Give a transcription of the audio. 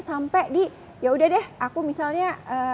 sampai di ya udah deh aku misalnya